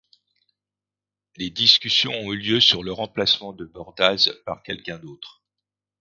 Des discussions ont eu lieu sur le remplacement de Bordaz par quelqu'un d'autre.